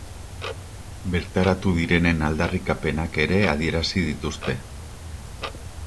Bertaratu direnen aldarrikapenak ere adierazi dituzte.